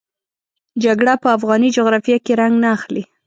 جګړه په افغاني جغرافیه کې رنګ نه اخلي.